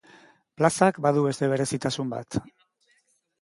Plazak badu beste berezitasun bat.